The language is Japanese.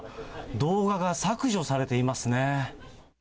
動画が削除されていますね。